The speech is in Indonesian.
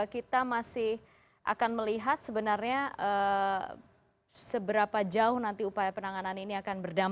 kita masih akan melihat sebenarnya seberapa jauh nanti upaya penanganan ini akan berdampak